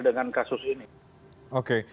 dengan kasus ini